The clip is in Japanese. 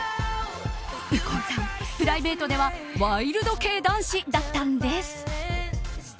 右近さん、プライベートではワイルド系男子だったんです。